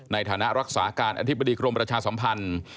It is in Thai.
ในฐานะรักษาการอธิบดีกรมประชาสัมพันธ์